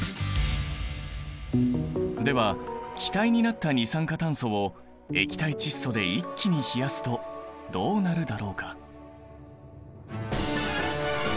では気体になった二酸化炭素を液体窒素で一気に冷やすとどうなるだろうか？